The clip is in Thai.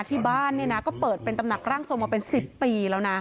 ที่บ้านเนี่ยนะก็เปิดเป็นตำหนักร่างทรงมาเป็น๑๐ปีแล้วนะ